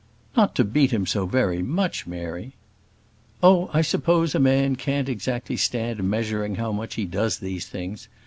"Not to beat him so very much, Mary!" "Oh, I suppose a man can't exactly stand measuring how much he does these things.